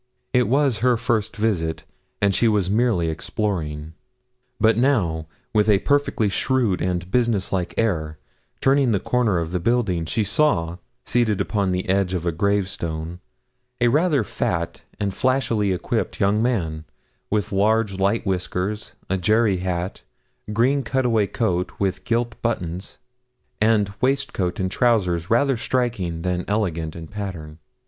It was her first visit, and she was merely exploring; but now, with a perfectly shrewd and businesslike air, turning the corner of the building, she saw, seated upon the edge of a grave stone, a rather fat and flashily equipped young man, with large, light whiskers, a jerry hat, green cutaway coat with gilt buttons, and waistcoat and trousers rather striking than elegant in pattern.